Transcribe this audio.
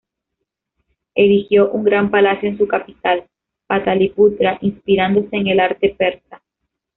Erigió un gran palacio en su capital, Pataliputra, inspirándose en el arte persa.